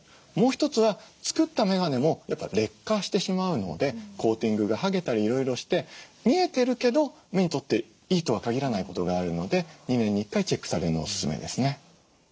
もう一つは作ったメガネもやっぱ劣化してしまうのでコーティングが剥げたりいろいろして見えてるけど目にとっていいとは限らないことがあるので２年に１回チェックされるのお勧めですね。